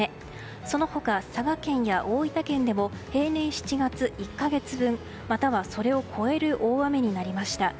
その他、佐賀県や大分県でも平年７月１か月分または、それを超える大雨になりました。